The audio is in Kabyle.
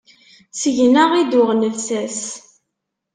Seg-neɣ i d-uɣen llsas.